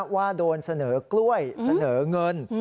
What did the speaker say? ว่าโดนเสนอกล้วยเสนอเงิน